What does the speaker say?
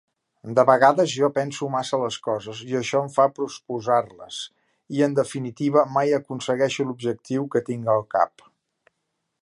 De vegades Jo penso massa les coses i això em fa posposar-les i en definitiva mai aconsegueixo l'objectiu que tinc al cap.